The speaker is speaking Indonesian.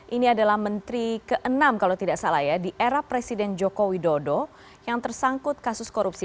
ini adalah menteri ke enam kalau tidak salah ya di era presiden joko widodo yang tersangkut kasus korupsi